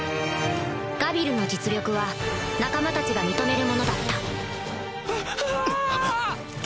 ガビルの実力は仲間たちが認めるものだったわっわぁ！